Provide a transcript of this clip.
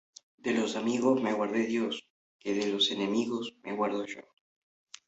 De los amigos me guarde Dios, que de los enemigos me guardo yo